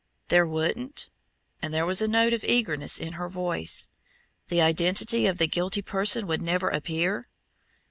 "There wouldn't?" and there was a note of eagerness in her voice. "The identity of the guilty person would never appear?"